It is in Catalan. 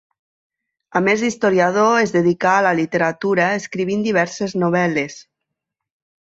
A més d'historiador, es dedicà a la literatura escrivint diverses novel·les.